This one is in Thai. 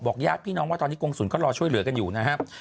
ญาติพี่น้องว่าตอนนี้กรงศูนย์ก็รอช่วยเหลือกันอยู่นะครับ